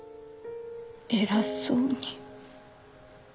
偉そうに